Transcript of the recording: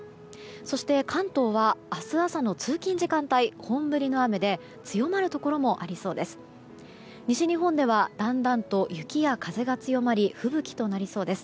そして関東は明日朝の通勤時間帯本降りの雨で強まるところもありそうです。